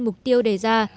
mục tiêu đề ra